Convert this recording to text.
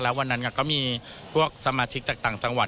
วันนั้นก็มีพวกสมาชิกจากต่างจังหวัด